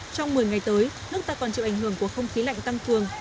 trong một mươi ngày tới nước ta còn chịu ảnh hưởng của không khí lạnh tăng cường